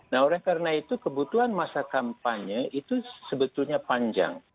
nah oleh karena itu kebutuhan masa kampanye itu sebetulnya panjang